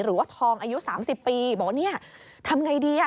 หรือว่าทองอายุ๓๐ปีบอกว่าเนี่ยทำไงดีอ่ะ